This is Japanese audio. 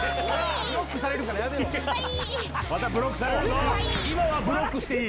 ブロックされるから、やめろ。はいー。